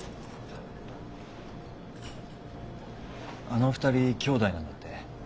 あの２人姉弟なんだって？